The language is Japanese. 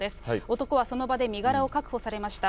男はその場で身柄を確保されました。